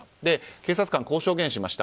警察官、こう証言しました。